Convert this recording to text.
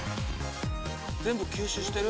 ・全部吸収してる？